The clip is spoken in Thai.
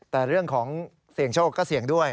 แต่เรื่องของเสี่ยงโชคก็เสี่ยงด้วย